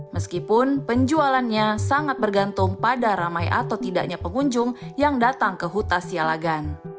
meskipun penjualannya sangat bergantung pada ramai atau tidaknya pengunjung yang datang ke hutas sialagan